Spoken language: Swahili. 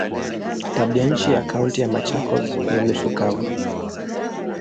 Tabianchi ya Kaunti ya Machakos ni nusu kavu.